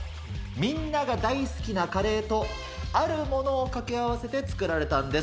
みんなが大好きなカレーと、あるものをかけ合わせて作られたんです。